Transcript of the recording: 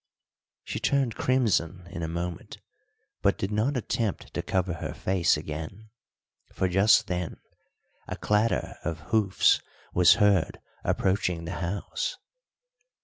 She turned crimson in a moment; but did not attempt to cover her face again, for just then a clatter of hoofs was heard approaching the house.